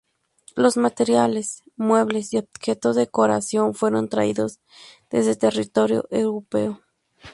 Los materiales, muebles y objetos de decoración fueron traídos desde territorio europeo.